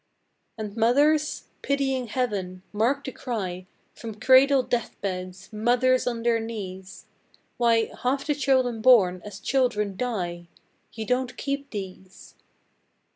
And mothers? Pitying Heaven! Mark the cry From cradle death beds! Mothers on their knees! Why, half the children born, as children, die! You don't keep these!